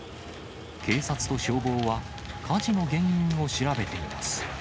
警察と消防は、火事の原因を調べています。